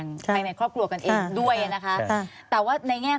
ควิทยาลัยเชียร์สวัสดีครับ